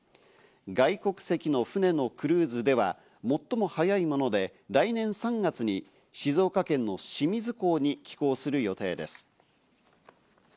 外国籍の船のクルーズでは最も早いもので来年３月に静岡県の清水港に寄港する予定です。